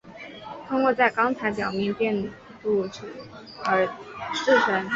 通过在钢材表面电镀锌而制成。